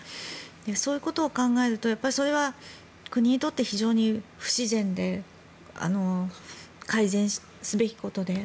そういうことを考えるとそれは国にとって非常に不自然で改善すべきことで。